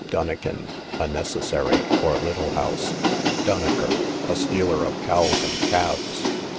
Dunnikin, a necessary, or little house. Dunaker, a stealer of cows and calves.